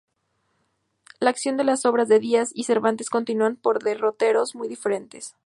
La acción de las obras de Díaz y Cervantes continúa por derroteros muy diferentes.